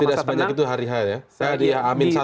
tidak sebanyak itu hari h ya